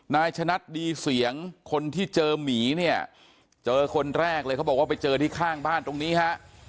ชนัดดีเสียงคนที่เจอหมีเนี่ยเจอคนแรกเลยเขาบอกว่าไปเจอที่ข้างบ้านตรงนี้ฮะ